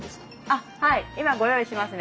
あっはい今ご用意しますね。